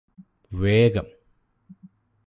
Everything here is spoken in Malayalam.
വേഗം